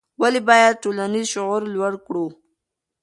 ولې باید ټولنیز شعور لوړ کړو؟